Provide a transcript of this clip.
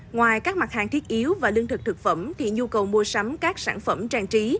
ngoài các mặt hàng thiết yếu và lương thực thực phẩm thì nhu cầu mua sắm các sản phẩm trang trí